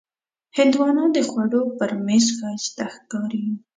هندوانه د خوړو پر میز ښایسته ښکاري.